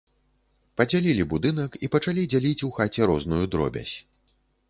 Падзялілі будынак і пачалі дзяліць у хаце розную дробязь.